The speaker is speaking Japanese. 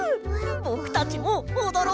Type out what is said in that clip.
ぼくたちもおどろう！